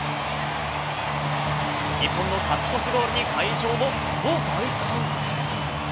日本の勝ち越しゴールに、会場もこの大歓声。